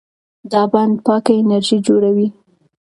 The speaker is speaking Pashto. دا بند پاکه انرژي جوړوي.